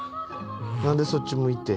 なんでそっち向いて。